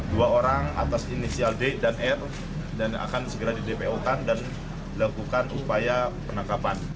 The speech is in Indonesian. dua orang atas inisial d dan r dan akan segera didepokan dan lakukan upaya penangkapan